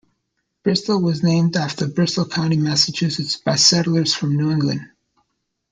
Bristol was named after Bristol County, Massachusetts, by settlers from New England.